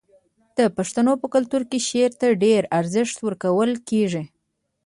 د پښتنو په کلتور کې شعر ته ډیر ارزښت ورکول کیږي.